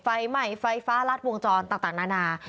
ไฟไหม้ไฟฟ้ารัดวงจรต่างนานา